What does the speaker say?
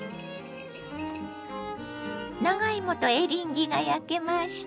長芋とエリンギが焼けました。